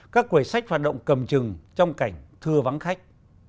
các quầy sách hoạt động cầm chừng trong cảnh thưa vắng khách